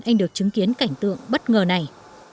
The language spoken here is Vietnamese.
anh được chứng kiến cảnh tượng bất ngờ này